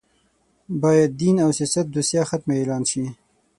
باید دین او سیاست دوسیه ختمه اعلان شي